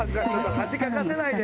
恥かかせないで！